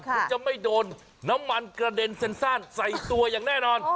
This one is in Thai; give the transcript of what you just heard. คุณจะไม่โดนน้ำมันกระเด็นเซ็นซ่านใส่ตัวอย่างแน่นอน